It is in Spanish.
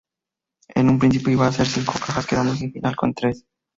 En un principio iban a ser cinco cajas, quedándose finalmente en tres.